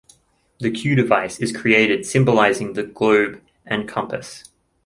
The Q device is created, symbolising the globe and compass.